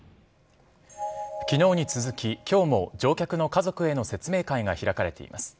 きのうに続き、きょうも乗客の家族への説明会が開かれています。